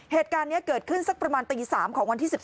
เหตุการณ์นี้เกิดขึ้นสักประมาณตี๓ของวันที่๑๓